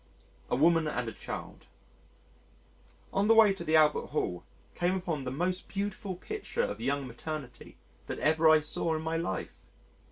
A Woman and a Child On the way to the Albert Hall came upon the most beautiful picture of young maternity that ever I saw in my life.